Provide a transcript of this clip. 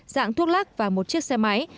dạng thuốc lắc và một chiếc xe máy